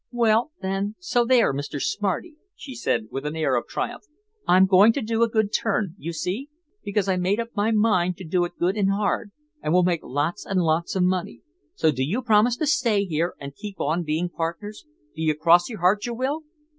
"Well, then, so there, Mr. Smarty," she said with an air of triumph, "I'm going to do a good turn, you see, because I made up my mind to it good and hard, and we'll make lots and lots of money. So do you promise to stay here and keep on being partners? Do you cross your heart you will?"